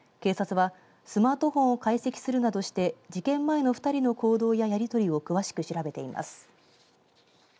警察はスマートフォンを解析するなどして事件前の２人の行動ややりとりを詳しく調べています。